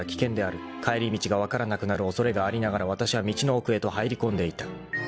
［帰り道が分からなくなる恐れがありながらわたしは道の奥へと入りこんでいた］